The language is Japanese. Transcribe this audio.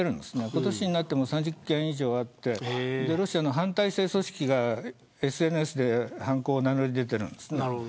今年になっても３０件以上あってロシアの反体制組織がＳＮＳで犯行を名乗り出ているんです。